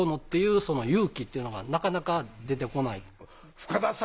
深田さん